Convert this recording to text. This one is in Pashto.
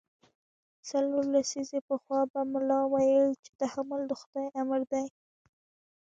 څلور لسیزې پخوا به ملا ویل چې تحمل د خدای امر دی.